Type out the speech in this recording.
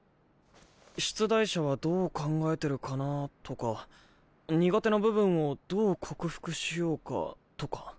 出題者はどう考えてるかなとか苦手な部分をどう克服しようかとか。